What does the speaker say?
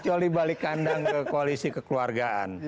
kecuali balik kandang ke koalisi kekeluargaan